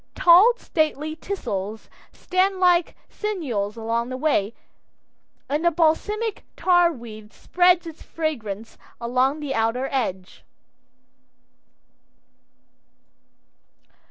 Tall, stately teasels stand like sentinels along the way, and the balsamic tarweed spreads its fragrance along the outer edge.